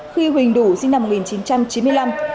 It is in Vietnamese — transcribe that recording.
khi huỳnh đủ sinh năm một nghìn chín trăm chín mươi năm